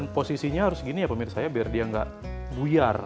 posisinya harus gini ya pemirsa ya biar dia nggak buyar